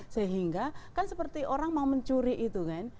sehingga kan seperti orang mau mencuri itu kan